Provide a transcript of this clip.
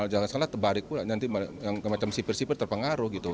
jangan salah terbarik pula nanti yang semacam sipir sipir terpengaruh gitu